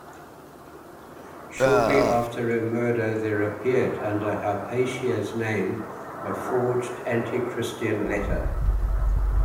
Shortly after her murder, there appeared under Hypatia's name a forged anti-Christian letter.